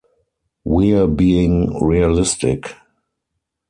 We're being realistic.